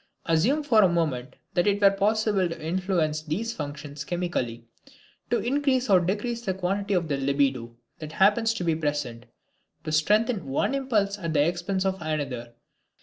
Assume for a moment that it were possible to influence these functions chemically, to increase or to decrease the quantity of the libido that happens to be present, to strengthen one impulse at the expense of another.